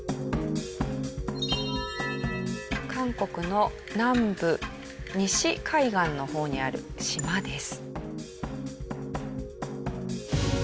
韓国の南部西海岸の方にある島です。